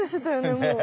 もう。